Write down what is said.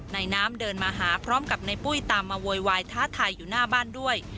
น้ำเดินมาหาพร้อมกับในปุ้ยตามมาโวยวายท้าทายอยู่หน้าบ้านด้วย